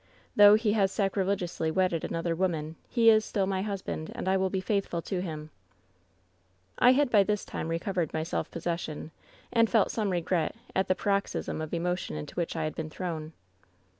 Though he has sacrilegiously wedded another woman, he is still my husband, and I will be faithful to him.' "I had by this time recovered my self possession, and felt some regret at the paroxysm of emotion into which I had been thrown.